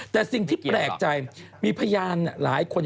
แต่สิ่งที่แปลกใจมีพยานหลายคน